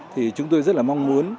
thì chúng tôi rất là mong muốn